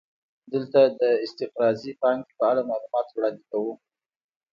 دلته د استقراضي پانګې په اړه معلومات وړاندې کوو